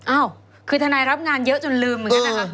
อ้าวคือทนายรับงานเยอะจนลืมเหมือนกันนะคะ